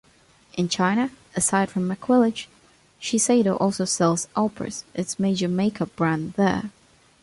In China, aside from Maquillage, Shiseido also sells Aupres, its major makeup brand there.